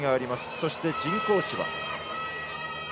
そして、人工芝。